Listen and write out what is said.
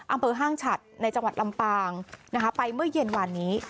อังเภอห้างฉัดในจังหวัดลำปางไปเมื่อเย็นหวานนี้